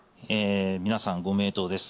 皆さんご名答です